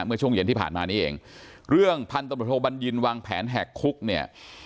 เมื่อช่วงเย็นที่ผ่านมานี้เองเรื่องพันธบทโทบัญญินวางแผนแหกคุกเนี่ย